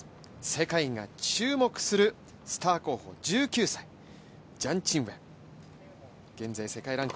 世界が注目するスター候補、１９歳、ジャン・チンウェン。